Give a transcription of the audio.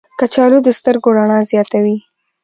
کچالو د سترګو رڼا زیاتوي.